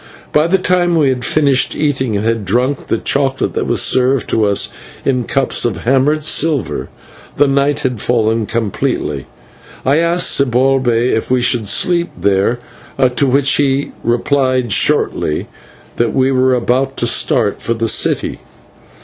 By the time we had finished eating and had drunk the chocolate that was served to us in cups of hammered silver, the night had fallen completely. I asked Zibalbay if we should sleep there, to which he replied shortly that we were about to start for the city.